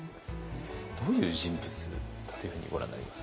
どういう人物だというふうにご覧になりますか？